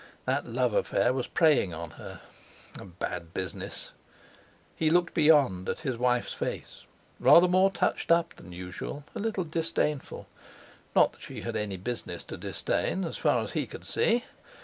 That love affair was preying on her—a bad business! He looked beyond, at his wife's face, rather more touched up than usual, a little disdainful—not that she had any business to disdain, so far as he could see.